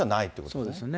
そうですよね。